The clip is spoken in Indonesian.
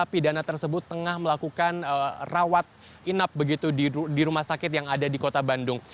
pidana tersebut tengah melakukan rawat inap begitu di rumah sakit yang ada di kota bandung